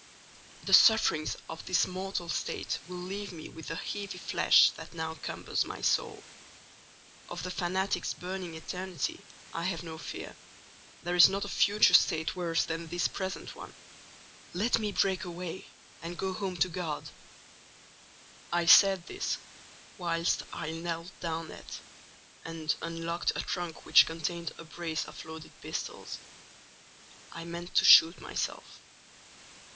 The sufferings of this mortal state will leave me with the heavy flesh that now cumbers my soul. Of the fanatic's burning eternity I have no fear: there is not a future state worse than this present one—let me break away, and go home to God!' "I said this whilst I knelt down at, and unlocked a trunk which contained a brace of loaded pistols: I meant to shoot myself.